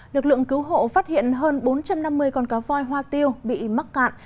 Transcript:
lực lượng cứu hộ phát hiện hơn bốn trăm năm mươi con cá voi hoa tiêu bị mắc cạn